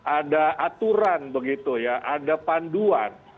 ada aturan begitu ya ada panduan